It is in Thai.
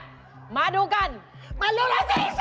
สิค่ะมาดูกันมันรู้แล้วสิชิบ